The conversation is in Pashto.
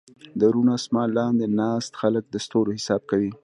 د روڼ اسمان لاندې ناست خلک د ستورو حساب کوي.